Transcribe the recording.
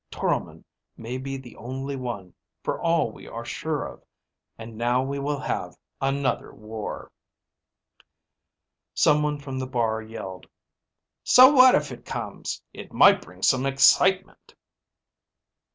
Toromon may be the only one, for all we are sure of. And now we will have another war." Some one from the bar yelled, "So what if it comes? It might bring some excitement."